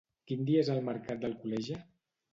Quin dia és el mercat d'Alcoleja?